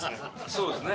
そうですね。